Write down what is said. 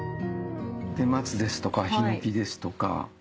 松ですとか檜ですとか。